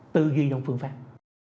tư duy trong phương pháp